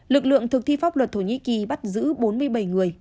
lực lượng thực thi pháp luật thổ nhĩ kỳ bắt giữ bốn mươi bảy người